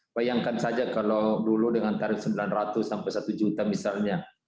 bayangkan saja kalau dulu dengan tarif sembilan ratus sampai satu juta misalnya